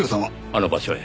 あの場所へ。